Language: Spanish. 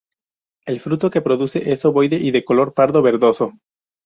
El fruto que produce es ovoide y de color pardo verdoso.